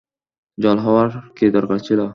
জল হওয়ার কী দরকার ছিল?